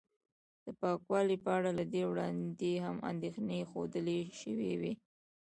د پاکوالي په اړه له دې وړاندې هم اندېښنې ښودل شوې وې